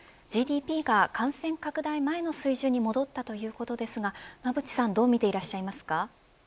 ＧＤＰが感染拡大前の水準に戻ったということですが馬渕さんどう見ていらっしゃいますか。